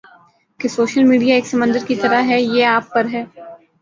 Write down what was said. کہ social media ایک سمندر کی طرح ہے یہ آپ پر ہے